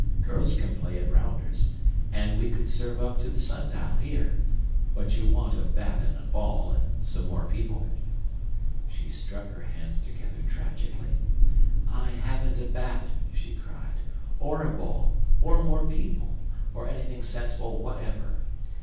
"Girls can play at rounders. And we could serve up to the sun dial here. But you want a bat and a ball, and some more people." She struck her hands together tragically. "I haven't a bat," she cried, "or a ball, or more people, or anything sensible whatever.